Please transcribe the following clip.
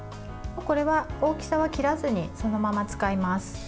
これは大きさは切らずにそのまま使います。